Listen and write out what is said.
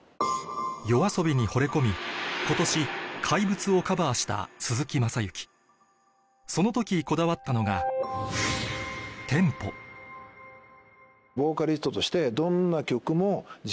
ＹＯＡＳＯＢＩにほれ込み今年『怪物』をカバーした鈴木雅之その時こだわったのがボーカリストとして。